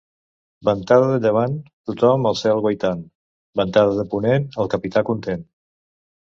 Ventada de llevant, tothom el cel guaitant; ventada de ponent, el capità content.